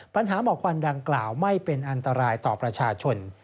ปัญหาหมอกควันดังกล่าวไม่เป็นอันตรายต่อประชาชน